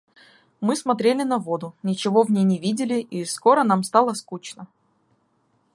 Мы смотрели на воду, ничего в ней не видели, и скоро нам стало скучно.